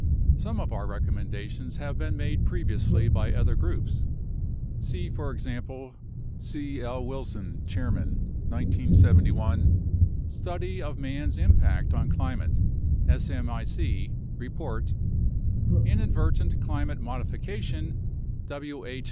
Some of our recommendations have been made previously by other groups [see, for example, C. L. Wilson (Chairman), 1971: Study of Man's Impact on Climate (smic) Report, Inadvertent Climate Modification, W. H.